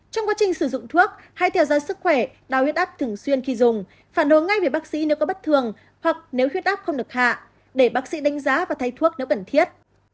trong quá trình sử dụng thuốc hãy theo dõi sức khỏe đau huyết áp thường xuyên khi dùng phản hồi ngay về bác sĩ nếu có bất thường hoặc nếu huyết áp không được hạ để bác sĩ đánh giá và thay thuốc nếu cần thiết